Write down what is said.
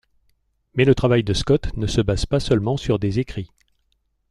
Mais le travail de Scot ne se base pas seulement sur des écrits.